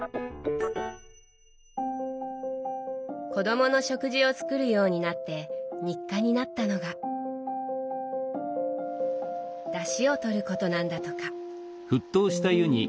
子どもの食事を作るようになって日課になったのがだしをとることなんだとか。